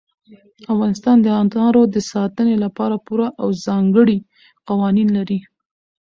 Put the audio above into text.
افغانستان د انارو د ساتنې لپاره پوره او ځانګړي قوانین لري.